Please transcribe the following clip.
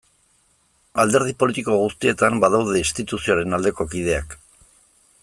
Alderdi politiko guztietan badaude instituzioaren aldeko kideak.